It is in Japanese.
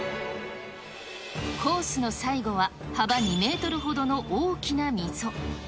コースの最後は、幅２メートルほどの大きな溝。